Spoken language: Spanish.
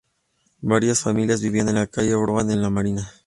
Varias familias vivían en la calle Broad en la Marina.